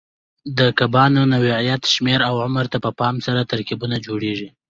د کبانو نوعیت، شمېر او عمر ته په پام سره ترکیبونه جوړېږي.